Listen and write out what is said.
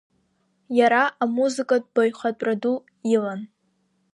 Иара амузыкатә баҩхатәра ду илан.